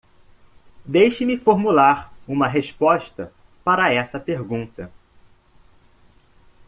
Deixe-me formular uma resposta para essa pergunta.